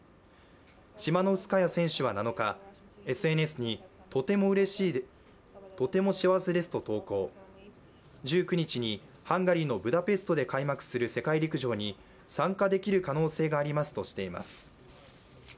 チマノウスカヤ選手は７日、ＳＮＳにとても幸せですと投稿、１９日にハンガリーのブタペストで開幕する世界陸上に参加できる可能性がありますとしています。